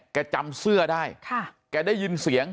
จำเสื้อได้แกได้ยินเสียง